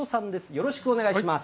よろしくお願いします。